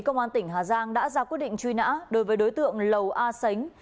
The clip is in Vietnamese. công an tỉnh hà giang đã ra quyết định truy nã đối với đối tượng lầu a sánh